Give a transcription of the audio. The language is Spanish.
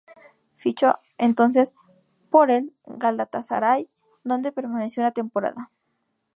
Fichó entonces por el Galatasaray, donde permaneció una temporada.